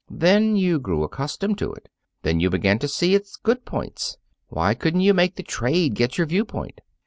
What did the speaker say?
Then you grew accustomed to it. Then you began to see its good points. Why couldn't you make the trade get your viewpoint?"